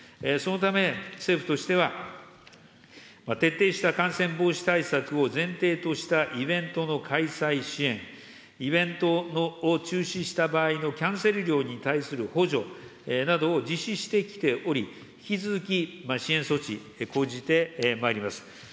そのため、政府としては、徹底した感染防止対策を前提としたイベントの開催支援、イベントを中止した場合のキャンセル料に対する補助など、実施してきており、引き続き支援措置、講じてまいります。